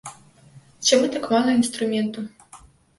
Чаму так мала інструменту?